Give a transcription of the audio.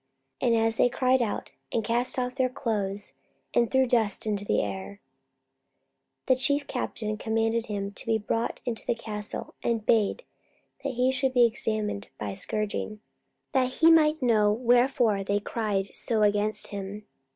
44:022:023 And as they cried out, and cast off their clothes, and threw dust into the air, 44:022:024 The chief captain commanded him to be brought into the castle, and bade that he should be examined by scourging; that he might know wherefore they cried so against him.